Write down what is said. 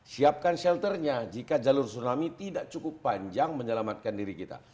siapkan shelternya jika jalur tsunami tidak cukup panjang menyelamatkan diri kita